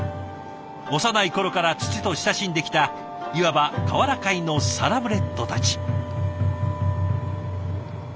幼い頃から土と親しんできたいわば瓦界のサラブレッドたち。